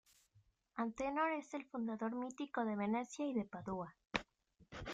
Antenor es el fundador mítico de Venecia y de Padua.